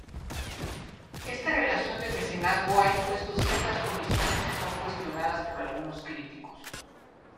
Esta relación de mecenazgo ha impuesto ciertas condiciones que son cuestionadas por algunos críticos.